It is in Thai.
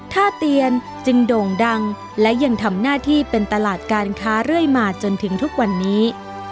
เตียนจึงโด่งดังและยังทำหน้าที่เป็นตลาดการค้าเรื่อยมาจนถึงทุกวันนี้